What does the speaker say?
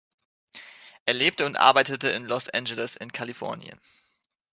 Er lebte und arbeitete in Los Angeles in Kalifornien.